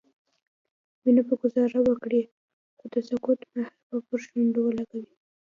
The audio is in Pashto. مينه به ګذاره وکړي خو د سکوت مهر به پر شونډو ولګوي